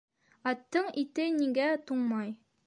Аттың ите нигә туңмай?